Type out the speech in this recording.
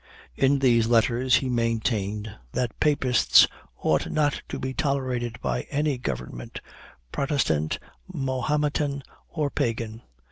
In these letters he maintained that Papists "ought not to be tolerated by any government Protestant, Mohometan, or Pagan."